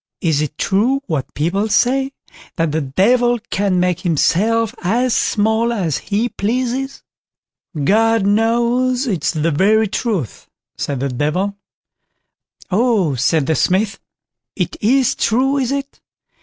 Is it true what people say, that the Devil can make himself as small as he pleases?" "God knows, it is the very truth", said the Devil. "Oh!" said the Smith; "it is true, is it?